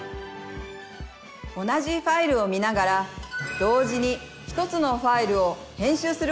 同じファイルを見ながら同時に１つのファイルを編集することも可能なんです。